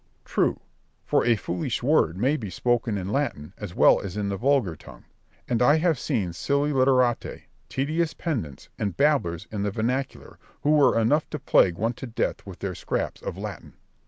Berg. True; for a foolish word may be spoken in Latin as well as in the vulgar tongue; and I have seen silly literati, tedious pedants, and babblers in the vernacular, who were enough to plague one to death with their scraps of Latin.